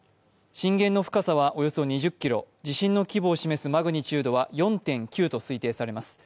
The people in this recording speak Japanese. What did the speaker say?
震源の深さはおよそ２０ｋｍ、地震の規模を示すマグニチュードは４．９と推定されます。